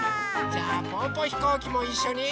じゃあぽぅぽひこうきもいっしょに。